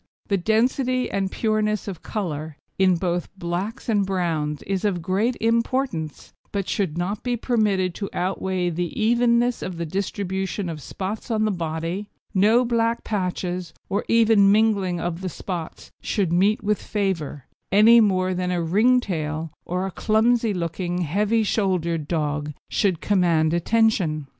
The density and pureness of colour, in both blacks and browns, is of great importance, but should not be permitted to outweigh the evenness of the distribution of spots on the body; no black patches, or even mingling of the spots, should meet with favour, any more than a ring tail or a clumsy looking, heavy shouldered dog should command attention.